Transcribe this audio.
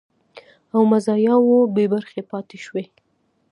او مزایاوو بې برخې پاتې شوي